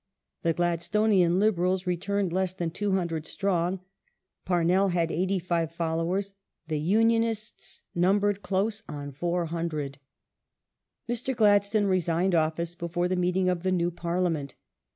The Gladltonian Liberals returned less than 200 strong ; Parnell had eighty five followers ; the Unionists numbered close on 400. ^ Mr. Gladstone resigned office before the meeting of the new Parliament.